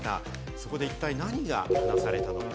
そこで一体何が話されたのか。